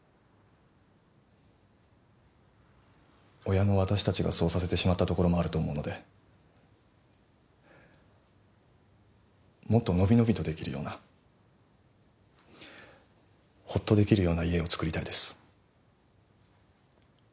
親の私たちがそうさせてしまったところもあると思うのでもっと伸び伸びとできるようなほっとできるような家をつくりたいです。